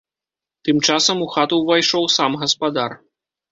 Тым часам у хату ўвайшоў сам гаспадар.